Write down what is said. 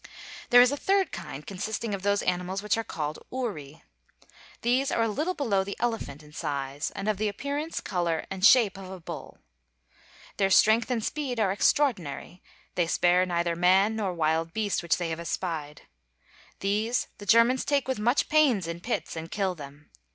There is a third kind, consisting of those animals which are called uri. These are a little below the elephant in size, and of the appearance, color, and shape of a bull. Their strength and speed are extraordinary; they spare neither man nor wild beast which they have espied. These the Germans take with much pains in pits and kill them.